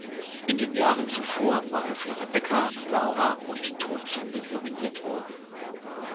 In den Jahren zuvor war er für "Rebecca", "Laura" und "Todsünde" nominiert worden.